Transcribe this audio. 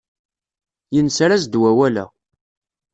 Yenser-as-d wawal-a.